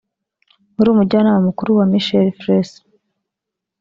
wari Umujyanama mukuru wa Michel Flesch